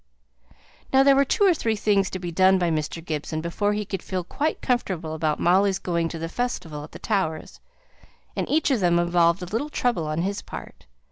Now, there were two or three things to be done by Mr. Gibson, before he could feel quite comfortable about Molly's going to the festival at the Towers, and each of them involved a little trouble on his part.